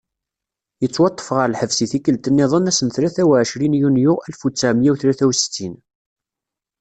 Yettwaṭṭef ɣer lḥebs i tikkelt-nniden ass n tlata u ɛecrin yunyu alef u ttɛemya u tlata u settin.